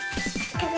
これ！